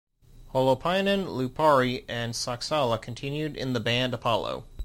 Holopainen, Lupari and Saksala continued in the band Apollo.